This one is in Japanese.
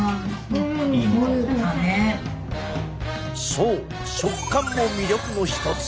そう食感も魅力の一つ！